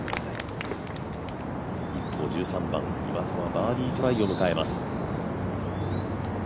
一方１３番、岩田はバーディートライを迎えます。